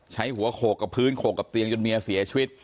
ใช้หัวโขกกับพื้นโขกกับเตียงจนเมียเสียชีวิต